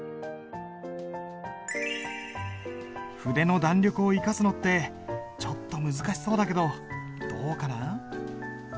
筆の弾力を生かすのってちょっと難しそうだけどどうかな？